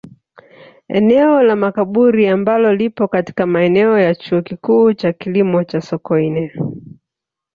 Eneo la Makaburi ambalo lipo katika maeneo ya Chuo Kikuu cha Kilimo cha Sokoine